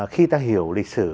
khi ta hiểu lịch sử